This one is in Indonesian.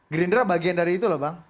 gerindra bagian dari itu loh bang